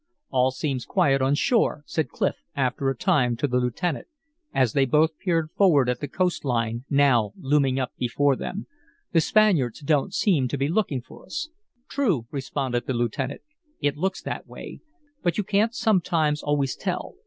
"All seems quiet on shore," said Clif, after a time, to the lieutenant, as they both peered forward at the coast line now looming up before them. "The Spaniards don't seem to be looking for us." "True," responded the lieutenant. "It looks that way. But you can't sometimes always tell.